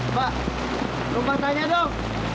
mbak rumah tanya dong